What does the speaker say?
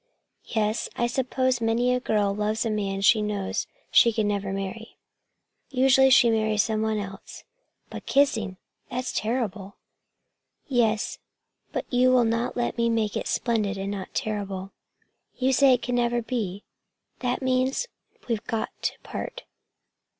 "Yes, I suppose many a girl loves a man she knows she never can marry. Usually she marries someone else. But kissing! That's terrible!" "Yes. But you will not let me make it splendid and not terrible. You say it never can be that means we've got to part.